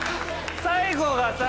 最後がさ。